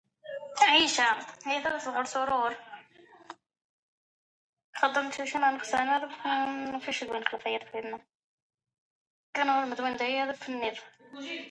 Ce disposisitif sera copié et utilisé sans autorisation par l'armée américaine.